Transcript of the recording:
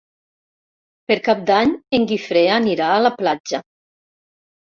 Per Cap d'Any en Guifré anirà a la platja.